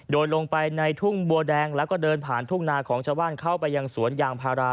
โดยลงไปในทุ่งบัวแดงแล้วก็เดินผ่านทุ่งนาของชาวบ้านเข้าไปยังสวนยางพารา